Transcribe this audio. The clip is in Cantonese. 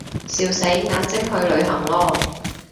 笑死，眼睛去旅行囉